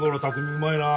うまいな。